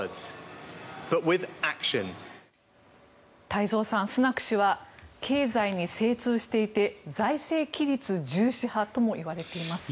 太蔵さんスナク氏は経済に精通していて財政規律重視派ともいわれています。